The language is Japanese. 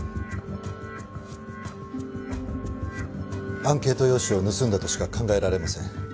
アンケート用紙を盗んだとしか考えられません。